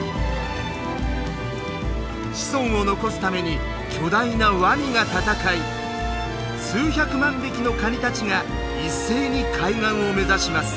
子孫を残すために巨大なワニが闘い数百万匹のカニたちが一斉に海岸を目指します。